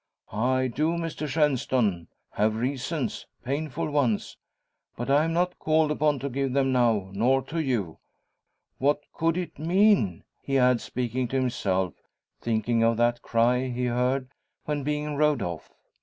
"I do, Mr Shenstone; have reasons, painful ones. But I am not called upon to give them now, nor to you. What could it mean?" he adds, speaking to himself, thinking of that cry he heard when being rowed off.